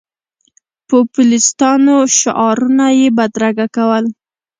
پوپلیستانو شعارونه یې بدرګه کول.